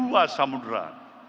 diapit oleh dua samudera